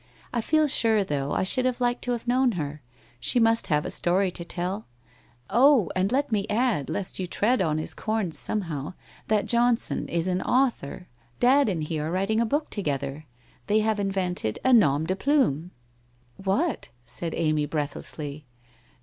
I feel sure, though, I should have liked to have known her; she must have a story to tell ? Oh ! and let me add, lest you tread on his corns somehow, that Johnson is an author. Dad and he arc writing a book together. They have invented a nom de plume/ 'What?' said Amy breathlessly.